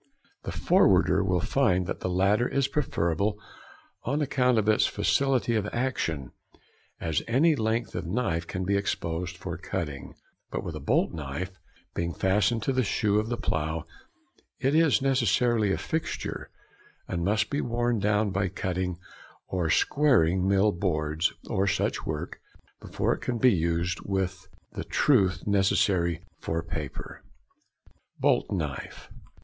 The forwarder will find that the latter is preferable, on account of its facility of action, as any length of knife can be exposed for cutting. But with a bolt knife, being fastened to the shoe of the plough, it is necessarily a fixture, and must be worn down by cutting or squaring mill boards, or such work, before it can be used with the truth necessary for paper. [Illustration: Bolt Knife.